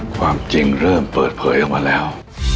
ความจริงเริ่มเปิดเผยออกมาแล้ว